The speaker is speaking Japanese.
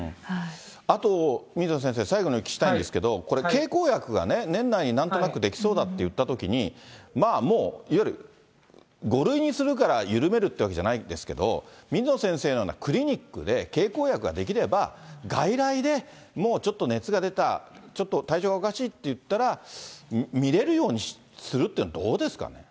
あと、水野先生、最後にお聞きしたいんですけれども、これ、経口薬が年内になんとなく出来そうだっていったときに、もういわゆる５類にするから緩めるっていうわけじゃないですけれども、水野先生のようなクリニックで経口薬が出来れば、外来でもうちょっと熱が出た、ちょっと体調がおかしいっていったら、診れるようにするっていうのはどうですかね。